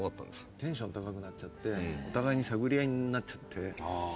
テンション高くなっちゃってお互いに探り合いになっちゃって。